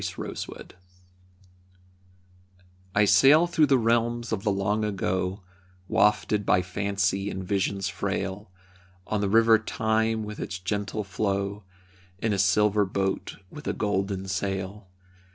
Meditation I sail through the realms of the long ago, Wafted by fancy and visions frail, On the river Time with its gentle flow, In a silver boat with a golden sail.